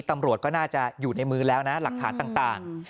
ตำรวจก็น่าจะอยู่ในมือแล้วนะหลักฐานต่าง